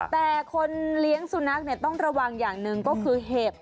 แต่คนเลี้ยงสุนัขต้องระวังอย่างหนึ่งก็คือเห็บ